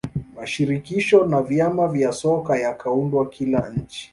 mashirikisho na vyama vya soka yakaundwa kila nchi